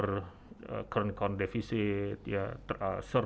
kekurangan kondisi saat yang rendah